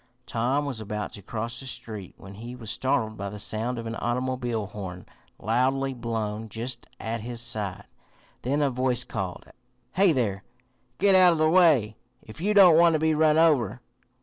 Tom was about to cross the street when he was startled by the sound of an automobile horn loudly blown just at his side. Then a voice called: "Hey, there! Git out of the way if you don't want to be run over!"